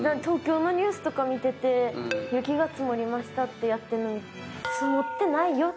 東京のニュースとか見てて雪が積もりましたってやってるのに。